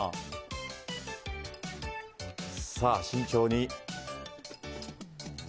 慎重に。